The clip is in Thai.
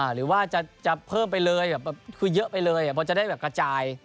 หรือว่าจะเพิ่มไปเลยเพราะจะได้กระจาย